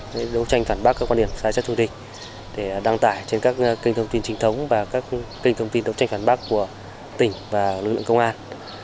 đấu tranh phản bác các quan điểm xã hội để đăng tải trên các kênh thông tin trình thống và các kênh thông tin đấu tranh phản bác của tỉnh và lưu lượng công an